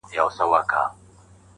زما خوبـونو پــه واوښـتـل